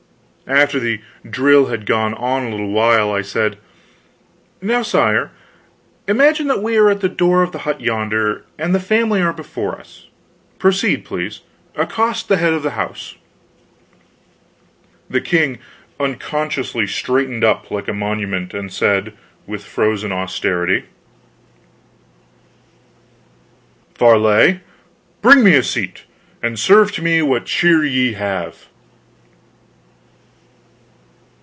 After the drill had gone on a little while, I said: "Now, sire, imagine that we are at the door of the hut yonder, and the family are before us. Proceed, please accost the head of the house." The king unconsciously straightened up like a monument, and said, with frozen austerity: "Varlet, bring a seat; and serve to me what cheer ye have."